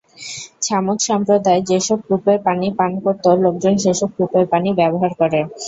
ছামূদ সম্প্রদায় যেসব কূপের পানি পান করত, লোকজন সেসব কূপের পানি ব্যবহার করে।